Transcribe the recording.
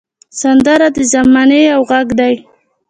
سندره د زمانې یو غږ دی